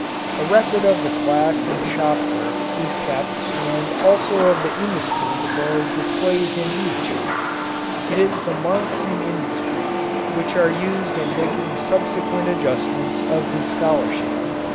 A record of the class and shop work is kept and also of the industry the boy displays in each. It is the marks in industry which are used in making subsequent adjustments of his scholarship.